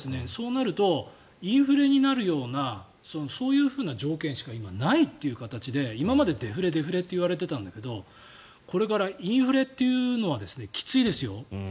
そうなるとインフレになるようなそういうような条件しか今、ないという形で今までデフレ、デフレといわれていたんだけどこれからインフレというのはきついですよ。